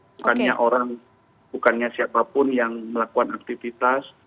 bukannya orang bukannya siapapun yang melakukan aktivitas